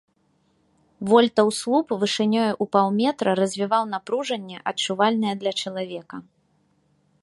Вольтаў слуп вышынёю ў паўметра развіваў напружанне, адчувальнае для чалавека.